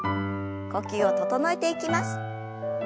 呼吸を整えていきます。